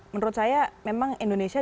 menurut saya memang indonesia